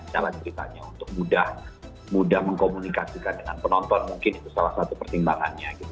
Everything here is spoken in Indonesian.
misalnya ceritanya untuk mudah mengkomunikasikan dengan penonton mungkin itu salah satu pertimbangannya gitu